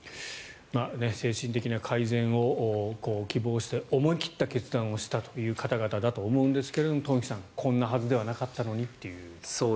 精神的な改善を希望して思い切った決断をしたという方々だと思いますが東輝さん、こんなはずではなかったのにという。